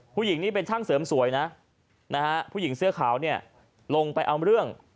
ผู้หญิงนี่เป็นช่างเสริมสวยนะนะฮะผู้หญิงเสื้อขาวเนี่ยลงไปเอาเรื่อง